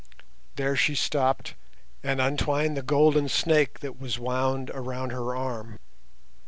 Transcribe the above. There she stopped and untwined the golden snake that was wound around her arm.